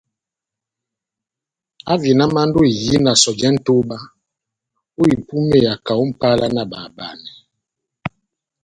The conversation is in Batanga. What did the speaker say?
Ahavinamandi ó ehiyi na sɔjɛ nʼtoba ó ipúmeya kaho ó Mʼpala na bahabanɛ.